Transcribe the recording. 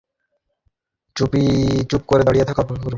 চুপ করিয়া দাঁড়াইয়া থাকা অপেক্ষা কিছু করা ভাল।